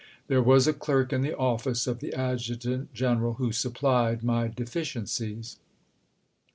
There was a clerk in the office of the adjutant general who supplied my deficiencies."